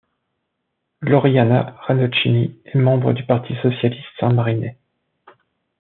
Gloriana Ranocchini est membre du Parti socialiste saint-marinais.